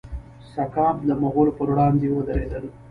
سکام د مغولو پر وړاندې ودریدل.